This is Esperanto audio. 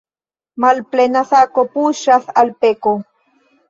Malplena sako puŝas al peko.